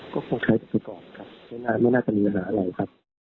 ก็คงใช้ไปก่อนครับไม่น่าจะมีปัญหาอะไรครับ